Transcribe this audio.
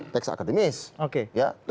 teks akademis ya itu